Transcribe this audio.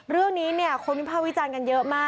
เรื่องนี้เนี่ยคนวิภาควิจารณ์กันเยอะมาก